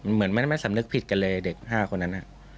เหมือนไม่สำนึกผิดกันเลยเด็ก๕คนนั้น